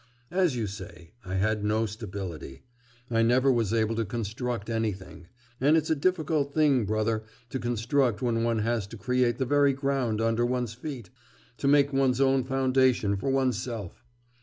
'As you say, I had no stability. I never was able to construct anything; and it's a difficult thing, brother, to construct when one has to create the very ground under one's feet, to make one's own foundation for one's self!